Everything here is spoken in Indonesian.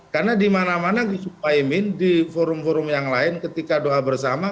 karena di mana mana gus muhaimin di forum forum yang lain ketika doa bersama